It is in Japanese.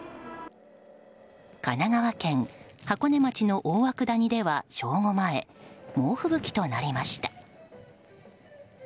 神奈川県箱根町の大涌谷では正午前猛吹雪となりました。